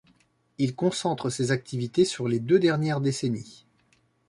Il concentre ses activités sur les deux dernières décennies.